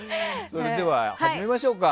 それでは、始めましょうか。